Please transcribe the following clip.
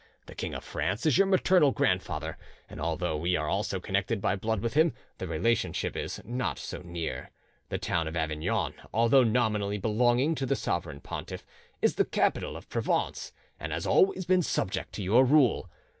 The King of France is your maternal grandfather, and although we are also connected by blood with him, the relationship is not so near. The town of Avignon, although nominally belonging to the sovereign pontiff, is the capital of Provence, and has always been subject to your rule.